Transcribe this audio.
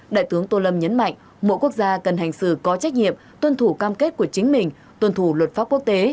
đại tướng tô lâm nhấn mạnh mỗi quốc gia cần hành xử có trách nhiệm tuân thủ cam kết của chính mình tuân thủ luật pháp quốc tế